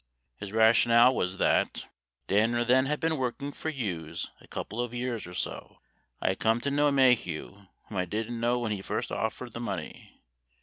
His rationale was that : Danner then had been working for Hughes a couple of years or so. I had come to know Maheu, whom I didn't know when he first offered the money.